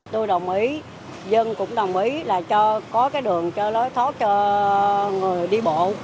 tôi đồng ý dân cũng đồng ý là có đường cho lối thoát cho người đi bộ